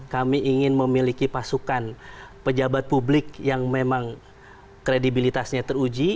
kami ingin memiliki pasukan pejabat publik yang memang kredibilitasnya teruji